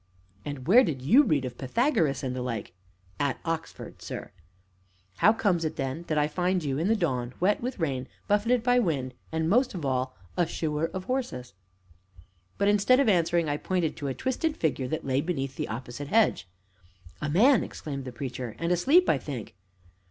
"And where did you read of Pythagoras and the like?" "At Oxford, sir." "How comes it then that I find you in the dawn, wet with rain, buffeted by wind, and most of all a shoer of horses?" But, instead of answering, I pointed to a twisted figure that lay beneath the opposite hedge. "A man!" exclaimed the Preacher, "and asleep, I think."